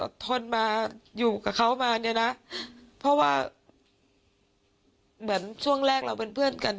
ทนมาอยู่กับเขามาเนี่ยนะเพราะว่าเหมือนช่วงแรกเราเป็นเพื่อนกัน